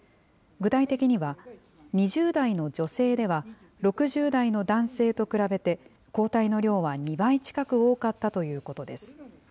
具体的には、２０代の女性では、６０代の男性と比べて、抗体の量は２倍近く多かったということです。